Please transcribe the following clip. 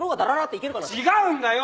違うんだよ。